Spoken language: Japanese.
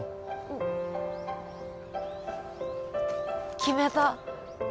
決めた。